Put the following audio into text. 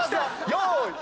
用意。